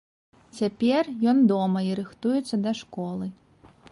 Цяпер ён дома і рыхтуецца да школы.